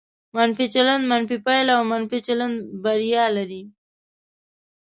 منفي چلند منفي پایله او مثبت چلند بریا لري.